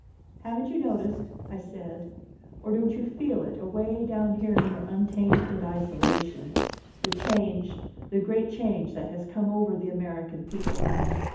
"Haven't you noticed," I said, "or don't you feel it, away down here in your untainted isolation, the change, the great change, that has come over the American people?"